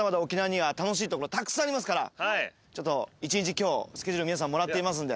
１日今日スケジュール皆さんもらっていますんで。